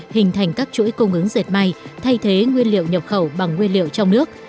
hình thành các chuỗi cung ứng dệt may thay thế nguyên liệu nhập khẩu bằng nguyên liệu trong nước